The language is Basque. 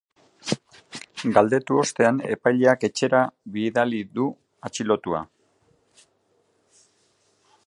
Galdekatu ostean, epaileak espetxera bidali du atxilotua.